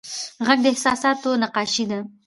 غږ د احساساتو نقاشي ده